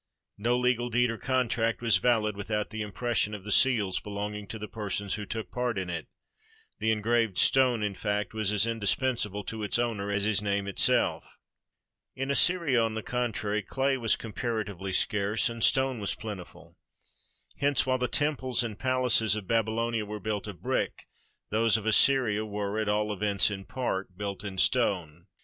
No legal deed or contract was valid without the impression of the seals belonging to the persons who took part in it; the engraved stone, in fact, was as indispensable to its owner as his name itself. In Assyria, on the contrary, clay was comparatively scarce, and stone was plentiful. Hence, while the tem ples and palaces of Babylonia were built of brick, those of Assyria were, at all events in part, built of stone.